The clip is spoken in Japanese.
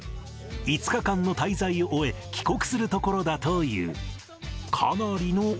５日間の滞在を終え、帰国するところだという。